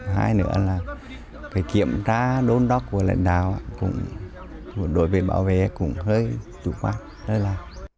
hai nữa là kiểm tra đôn đốc của lãnh đạo đối với bảo vệ cũng hơi chủ quán hơi là